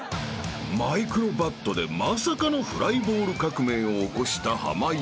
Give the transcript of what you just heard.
［マイクロバットでまさかのフライボール革命を起こした濱家］